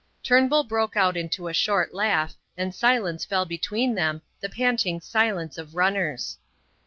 Turnbull broke out into a short laugh, and silence fell between them, the panting silence of runners.